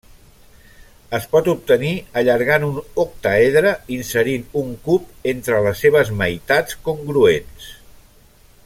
Es pot obtenir allargant un octàedre inserint un cub entre les seves meitats congruents.